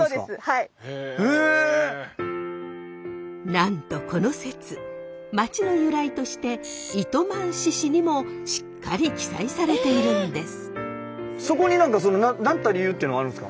なんとこの説町の由来として糸満市史にもしっかり記載されているんです。